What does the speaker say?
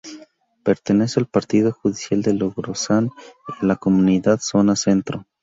Pertenece al partido judicial de Logrosán y a la mancomunidad Zona Centro.